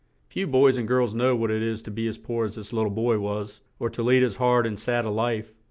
Few boys and girls know what it is to be as poor as this lit tle boy was, or to lead as hard and sad a life.